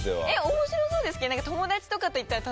面白そうですけど。